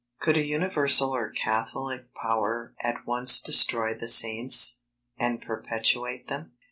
Could a universal or catholic power at once destroy the Saints, and perpetuate them?